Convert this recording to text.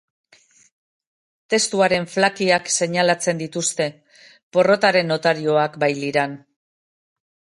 Testuaren flakiak seinalatzen dituzte, porrotaren notarioak bailiran.